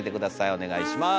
お願いします。